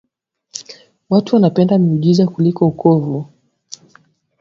Watu wanapenda miujiza kuliko ukovu